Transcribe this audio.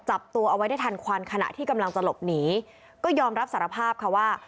จับตัวเอาไว้ได้ทันควันขณะที่กำลังจะหลบหนีก็ยอมรับสารภาพค่ะว่า